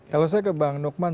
kalau saya ke bang nukman